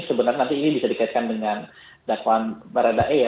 sebenarnya nanti ini bisa dikaitkan dengan dakwaan baradae ya